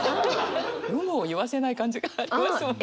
有無を言わせない感じがありますもんね。